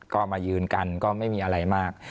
ก็มายืนกันก็ไม่มีอะไรมาก